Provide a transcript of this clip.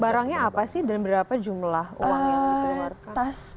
barangnya apa sih dan berapa jumlah uang yang dikeluarkan